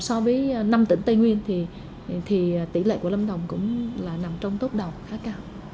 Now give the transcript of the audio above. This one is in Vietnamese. so với năm tỉnh tây nguyên thì tỷ lệ của lâm đồng cũng là nằm trong tốt đầu khá cao